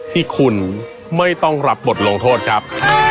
ที่คุณไม่ต้องรับบทลงโทษครับ